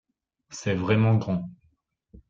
C’est vraiment grand.